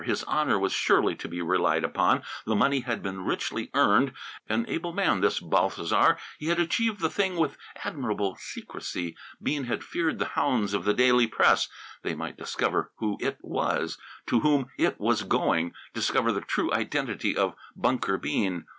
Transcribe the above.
His honour was surely to be relied upon. The money had been richly earned. An able man, this Balthasar! He had achieved the thing with admirable secrecy. Bean had feared the hounds of the daily press. They might discover who It was, to whom It was going; discover the true identity of Bunker Bean.